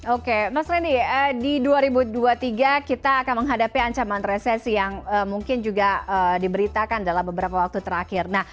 oke mas rendy di dua ribu dua puluh tiga kita akan menghadapi ancaman resesi yang mungkin juga diberitakan dalam beberapa waktu terakhir